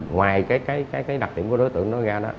ngoài đặc điểm của đối tượng nói ra